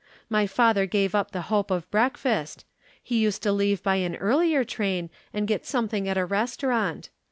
My father gave up the hope of breakfast. He used to leave by an earlier train and get something at a restaurant.